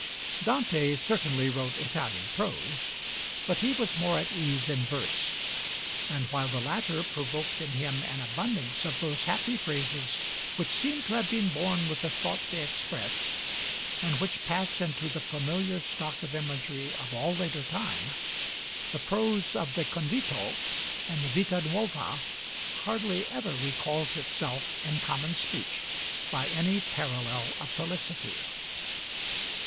Dante certainly wrote Italian prose, but he was more at ease in verse; and while the latter provoked in him an abundance of those happy phrases which seem to have been born with the thought they express, and which pass into the familiar stock of imagery of all later time, the prose of the 'Convito' and the 'Vita Nuova' hardly ever recalls itself in common speech by any parallel of felicity.